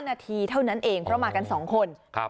นาทีเท่านั้นเองเพราะมากัน๒คน